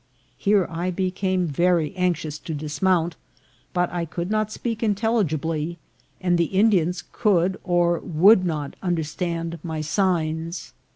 Here I became very anxious to dismount ; but I could not speak intelligibly, and the Indians could or would not understand my signs.